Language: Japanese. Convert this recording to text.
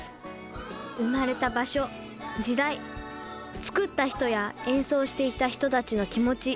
生まれた場所時代作った人や演奏していた人たちの気持ち。